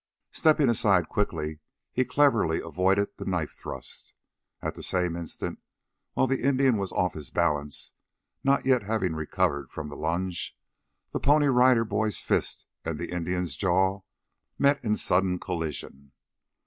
Stepping aside quickly; he cleverly avoided the knife thrust. At the same instant, while the Indian was off his balance, not yet having recovered from the lunge, the Pony Rider Boy's fist and the Indian's jaw met in sudden collision.